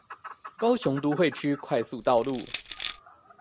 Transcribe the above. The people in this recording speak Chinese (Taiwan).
高雄都會區快速道路